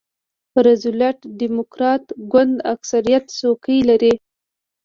روزولټ ډیموکراټ ګوند اکثریت څوکۍ لرلې.